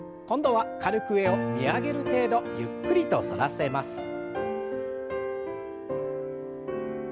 今度は軽く上を見上げる程度ゆっくりと反らせます。